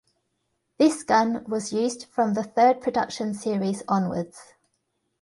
This gun was used from the third production series onwards.